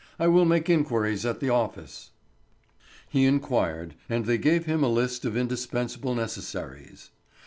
I will make inquiries at the office." He inquired, and they gave him a list of indispensable necessaries.